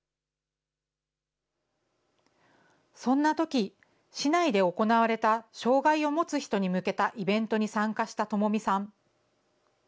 そんなとき、市内で行われた障害を持つ人に向けたイベントに参加した智美さん。